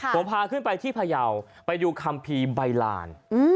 ผมพาขึ้นไปที่พยาวไปดูคัมภีร์ใบลาน